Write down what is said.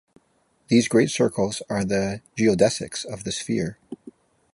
These great circles are the geodesics of the sphere.